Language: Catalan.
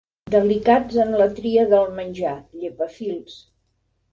Delicats en la tria del menjar, llepafils.